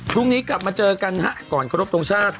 ช่วงนี้กลับมาเจอกันครับก่อนครบตรงชาติ